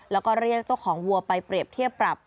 แล้วก็เรียกเจ้าของวัวไปเปรียบเทียบปรับ